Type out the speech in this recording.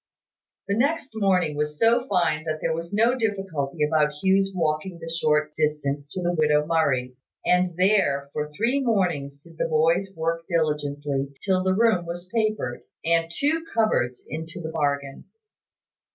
The next morning was so fine that there was no difficulty about Hugh's walking the short distance to the widow Murray's; and there, for three mornings, did the boys work diligently, till the room was papered, and two cupboards into the bargain.